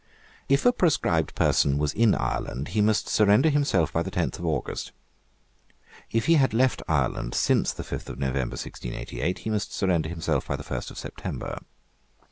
If a proscribed person was in Ireland, he must surrender himself by the tenth of August. If he had left Ireland since the fifth of November 1688, he must surrender himself by the first of September.